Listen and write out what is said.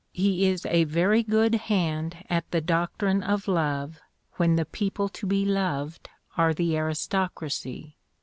He is a very good hand at the doctrine of love when the people to be loved are the aristocracy.